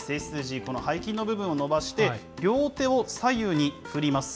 背筋の部分を伸ばして、両手を左右に振ります。